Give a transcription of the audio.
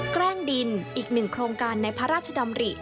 แกล้งดินอีกหนึ่งโครงการในพระราชดำริ